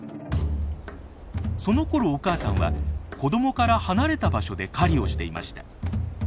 そのころお母さんは子どもから離れた場所で狩りをしていました。